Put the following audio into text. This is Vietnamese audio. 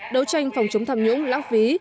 đấu tranh phòng chống tham nhũng lắc phí